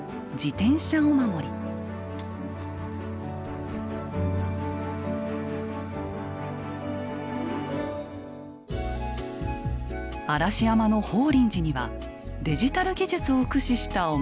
嵐山の法輪寺にはデジタル技術を駆使したお守りが。